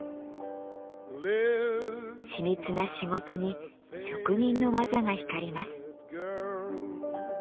緻密な仕事に職人の技が光ります。